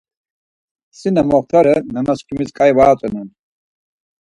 Si na moxtare nanaçkimis ǩai var atzonen.